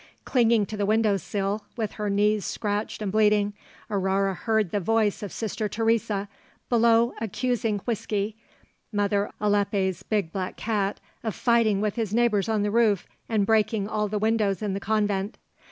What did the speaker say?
Clinging to the window sill, with her knees scratched and bleeding, Aurore heard the voice of Sister Thérèse below accusing Whisky, Mother Alippe's big black cat, of fighting with his neighbours on the roof and breaking all the windows in the convent.